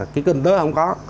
cái kinh tế không có